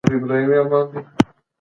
سیاسي عدالت بې پرې تطبیق غواړي